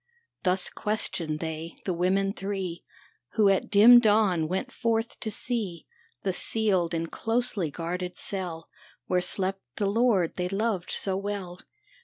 " Thus questioned they, the women three, Who at dim dawn went forth to see The sealed and closely guarded cell Where slept the Lord they loved so well.